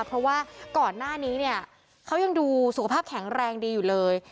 เพราะว่าก่อนหน้านี้เนี่ยเขายังดูสุขภาพแข็งแรงดีอยู่เลย